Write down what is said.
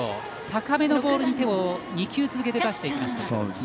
高めのボールに２球続けて手を出していきました。